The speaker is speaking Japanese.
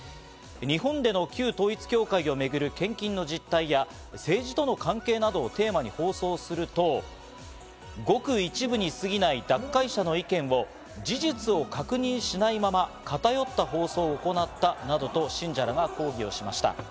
日本での旧統一教会をめぐる献金の実態や、政治との関係などをテーマに放送すると、ごく一部にすぎない脱会者の意見を事実を確認しないまま偏った放送を行ったなどと信者らが抗議しました。